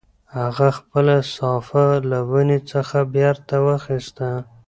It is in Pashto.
هغه خپله صافه له ونې څخه بېرته واخیسته.